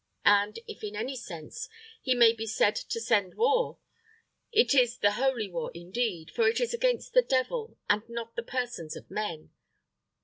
And, if in any sense, He may be said to send war, it is the Holy War indeed, for it is against the Devil, and not the persons of men.